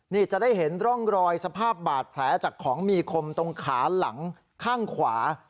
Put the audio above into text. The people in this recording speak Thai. นี่จะได้เห็นร่องรอยสภาพบาดแผลจากของมีคมตรงขาหลังข้างขวา